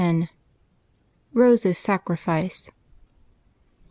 ROSE'S SACRIFICE.